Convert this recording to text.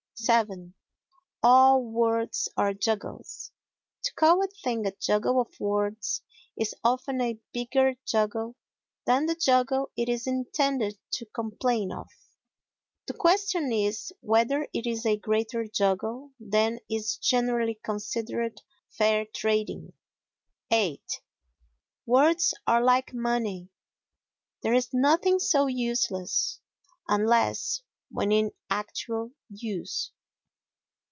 vii All words are juggles. To call a thing a juggle of words is often a bigger juggle than the juggle it is intended to complain of. The question is whether it is a greater juggle than is generally considered fair trading. viii Words are like money; there is nothing so useless, unless when in actual use.